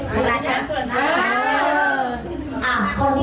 คุณที่สามารถมันมันกลยละมันกลย